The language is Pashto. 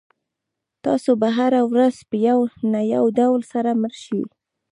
تاسو به هره ورځ په یو نه یو ډول سره مړ شئ.